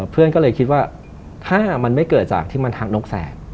เพื่อนก็เลยคิดว่าถ้ามันไม่เกิดจากที่มันหักนกแสก